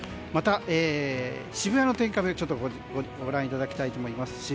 また、渋谷の天カメをご覧いただきたいと思います。